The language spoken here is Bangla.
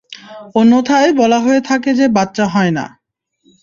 অন্যথায়, বলা হয়ে থাকে যে বাচ্চা হয় না?